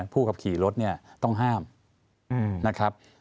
ผู้ขับขี่รถเนี่ยต้องห้ามนะครับ